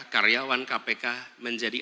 karyawan kpk menjadi